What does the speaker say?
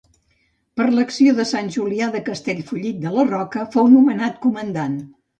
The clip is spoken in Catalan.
Per l'acció de Sant Julià de Castellfollit de la Roca, fou nomenat comandant.